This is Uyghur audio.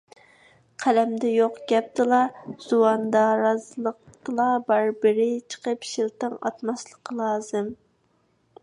قەلەمدە يوق، گەپتىلا، زۇۋاندارازلىقتىلا بار بىرى چىقىپ شىلتىڭ ئاتماسلىقى لازىم.